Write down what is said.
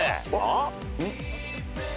あっ！